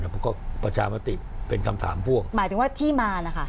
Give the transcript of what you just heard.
ผมก็ประชามติเป็นคำถามพ่วงหมายถึงว่าที่มานะคะ